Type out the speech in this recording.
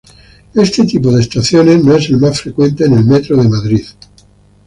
Este tipo de estaciones no es el más frecuente en el Metro de Madrid.